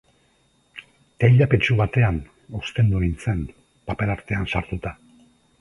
Teilapetxu batean ostendu nintzen, paper artean sartuta.